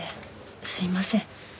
すいません。